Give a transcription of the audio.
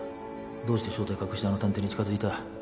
どうして正体隠してあの探偵に近づいた？